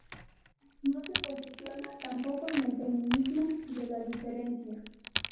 No se posiciona tampoco con el feminismo de la diferencia.